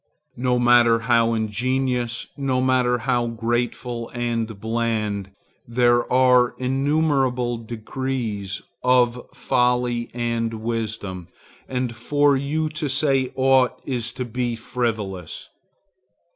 No matter how ingenious, no matter how graceful and bland. There are innumerable degrees of folly and wisdom, and for you to say aught is to be frivolous.